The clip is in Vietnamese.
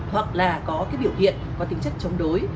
hoặc là có cái biểu hiện có tính chất chống đối